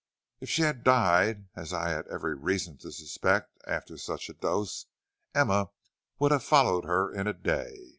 "If she had died, as I had every reason to suspect after such a dose, Emma would have followed her in a day.